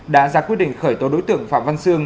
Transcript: đã ra quyết định khởi tố đối tượng phạm văn sương